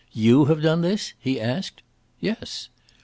"You have done this?" he asked. "Yes."